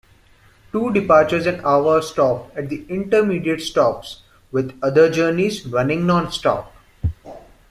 Two departures an hour stop at the intermediate stops, with other journeys running non-stop.